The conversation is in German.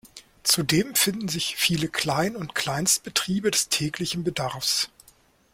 Zudem finden sich viele Klein- und Kleinstbetriebe des täglichen Bedarfs.